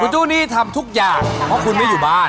เจ้าหนี้ทำทุกอย่างเพราะคุณไม่อยู่บ้าน